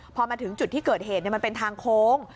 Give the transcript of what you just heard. พอมาถึงจุดที่เกิดเหตุมันเป็นทางโค้ง